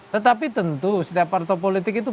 tetapi tentu setiap partai politik itu